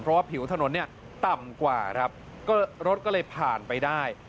เพราะว่าผิวถนนต่ำกว่ารถก็เลยผ่านไปได้